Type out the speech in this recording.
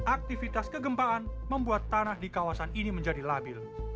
aktivitas kegempaan membuat tanah di kawasan ini menjadi labil